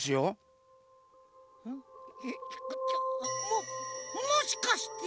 ももしかして。